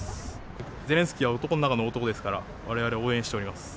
ゼレンスキーは男の中の男ですから、われわれ、応援しております。